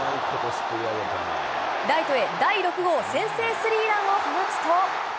ライトへ、第６号先制スリーランを放つと。